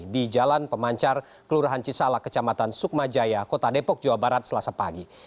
di jalan pemancar kelurahan cisala kecamatan sukma jaya kota depok jawa barat selasa pagi